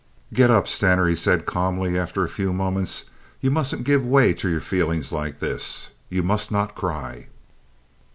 "Get Up, Stener," he said, calmly, after a few moments. "You mustn't give way to your feelings like this. You must not cry.